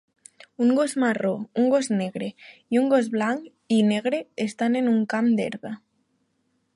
Un gos marró, un gos negre i un gos blanc i negre estan en un camp d'herba.